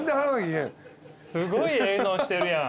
すごいええのしてるやん。